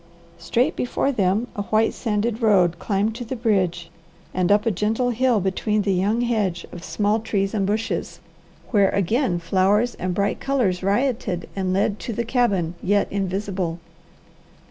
Straight before them a white sanded road climbed to the bridge and up a gentle hill between the young hedge of small trees and bushes, where again flowers and bright colours rioted and led to the cabin yet invisible.